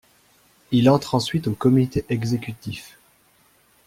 Il entre ensuite au comité exécutif.